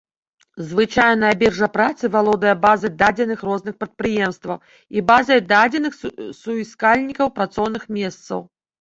Звычайна біржа працы валодае базай дадзеных розных прадпрыемстваў і базай дадзеных суіскальнікаў працоўных месцаў.